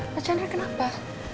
mas chandra kenapa